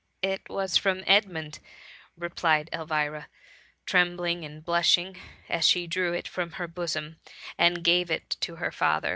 '^ It was from Edmund," replied Elvira trembling and blushing, as she drew it from her bosom, and gave it to her father.